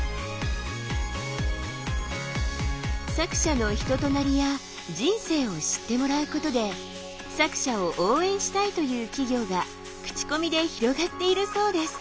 作者の人となりや人生を知ってもらうことで作者を応援したいという企業が口コミで広がっているそうです。